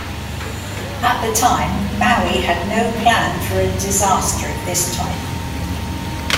At the time, Maui had no plan for a disaster of this type.